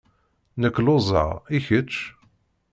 Nekk lluẓeɣ. I kečč?